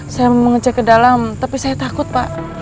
saya mau ngecek ke dalam tapi saya takut pak